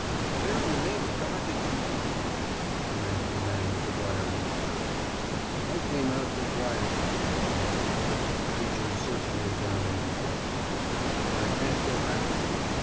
"Where in the name o' God did you come from?" demanded the man with the brier root pipe. "I came out from Guayaquil," answered Blake, reaching searchingly down in his wet pocket. "And I can't go back."